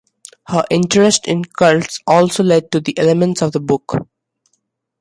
Her interest in cults also led to elements of the book.